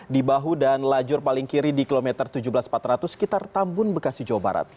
di bahu dan lajur paling kiri di kilometer tujuh belas empat ratus sekitar tambun bekasi jawa barat